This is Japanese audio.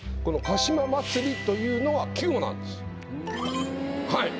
「鹿島祭り」というのは季語なんですはい。